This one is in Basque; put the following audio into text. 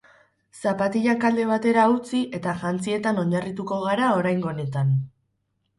Zapatilak alde batera utzi eta jantzietan oinarrituko gara oraingo honetan.